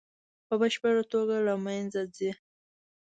په بشپړه توګه له منځه ځي.